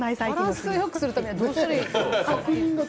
バランスをよくするためにはどうしたらいいんだろう。